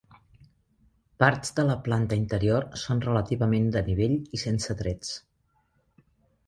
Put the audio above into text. Parts de la planta interior són relativament de nivell i sense trets.